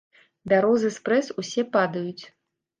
Бярозы спрэс усе падаюць.